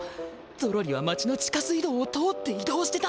ゾロリは町の地下水道を通っていどうしてたんだ！